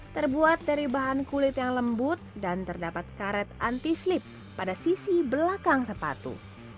terbuat dari bahan kulit yang lembut dan terdapat karet anti sleep pada sisi belakang sepatu